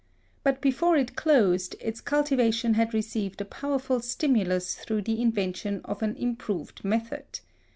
But before it closed, its cultivation had received a powerful stimulus through the invention of an improved method.